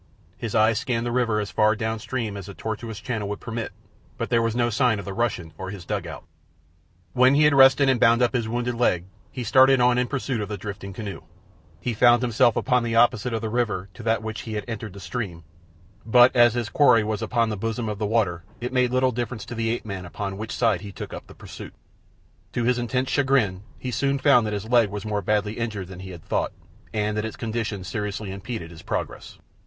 His eyes scanned the river as far down stream as the tortuous channel would permit, but there was no sign of the Russian or his dugout. When he had rested and bound up his wounded leg he started on in pursuit of the drifting canoe. He found himself upon the opposite of the river to that at which he had entered the stream, but as his quarry was upon the bosom of the water it made little difference to the ape man upon which side he took up the pursuit. To his intense chagrin he soon found that his leg was more badly injured than he had thought, and that its condition seriously impeded his progress.